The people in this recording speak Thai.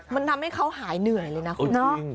มันทำให้เขาหายเหนื่อยเลยนะคุณเนาะ